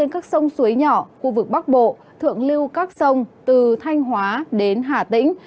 các sông suối nhỏ khu vực bắc bộ thượng lưu các sông từ thanh hóa đến hà tĩnh